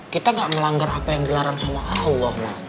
kita gak melanggar apa yang dilarang sama allah lah